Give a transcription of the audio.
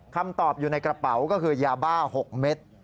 คำตอบอยู่ในกระเป๋าก็คือยาบ้า๖เม็ด